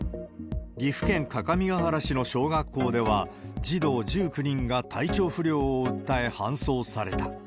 岐阜県各務原市の小学校では、児童１９人が体調不良を訴え搬送された。